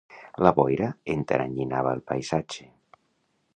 La boira enteranyinava el paisatge.